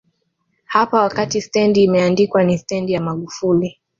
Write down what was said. hapa wakati stendi imeandikwa ni Stendi ya Magufuli